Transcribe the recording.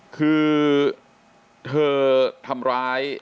คือเธอทำร้าย